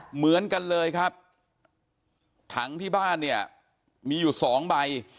เหมือนกันเลยครับถังที่บ้านเนี่ยมีอยู่สองใบ